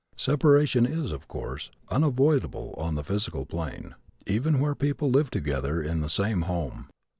Separation is, of course, unavoidable on the physical plane, even where people live together in the same home.